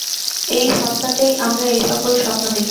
এই সত্তাতেই আমরা এই-সকল স্বপ্ন দেখি।